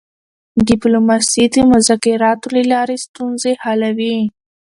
ډیپلوماسي د مذاکراتو له لارې ستونزې حلوي.